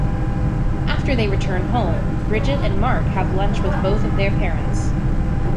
After they return home, Bridget and Mark have lunch with both of their parents.